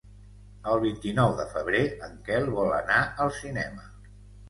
El vint-i-nou de febrer en Quel vol anar al cinema.